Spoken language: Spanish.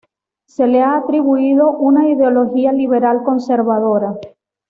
Se le ha atribuido una ideología liberal conservadora.